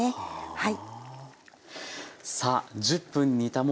はい。